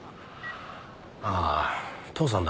ああ父さんだ。